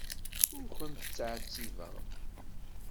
Ur ken-ttɛettibeɣ.